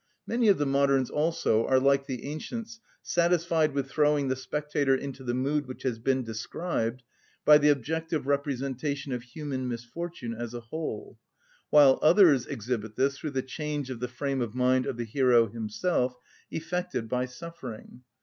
Many of the moderns also are, like the ancients, satisfied with throwing the spectator into the mood which has been described, by the objective representation of human misfortune as a whole; while others exhibit this through the change of the frame of mind of the hero himself, effected by suffering.